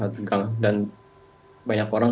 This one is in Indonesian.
tegang dan banyak orang